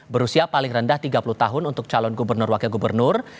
berusia paling rendah tiga puluh tahun untuk calon gubernur wakil gubernur